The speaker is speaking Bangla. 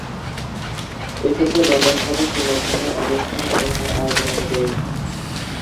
এক্ষেত্রে ব্যাপন ঘটে শূণ্য স্থানের অবস্থান এবং তার আয়তন অনুযায়ী।